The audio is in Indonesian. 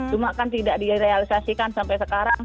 cuma kan tidak direalisasikan sampai sekarang